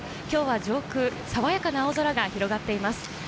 今日は上空、さわやかな青空が広がっています。